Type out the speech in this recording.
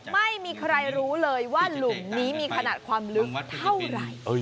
ไม่มีใครรู้เลยว่าหลุมนี้มีขนาดความลึกเท่าไหร่